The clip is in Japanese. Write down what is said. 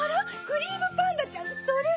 クリームパンダちゃんそれ。